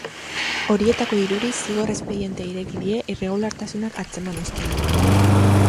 Horietako hiruri zigor espedientea ireki die irregulartasunak atzeman ostean.